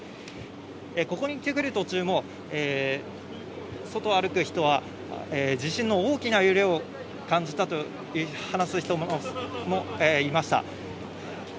ここに来る途中も外を歩く人は地震の大きな揺れを感じたと話す人もいました。